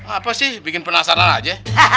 apa sih bikin penasaran aja